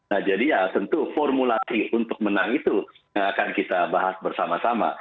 nah jadi ya tentu formulasi untuk menang itu yang akan kita bahas bersama sama